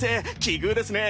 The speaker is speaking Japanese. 奇遇ですね。